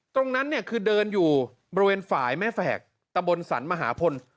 ตรงนั้นเนี่ยคือเดินอยู่บริเวณฝ่ายแม่แฝกตะบนสรรมหาพล